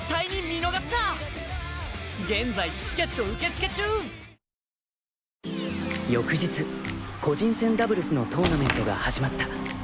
花王翌日個人戦ダブルスのトーナメントが始まった。